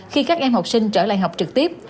khi các em học sinh trở lại học trực tiếp